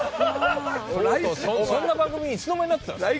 そんな番組にいつの間になってたんですか？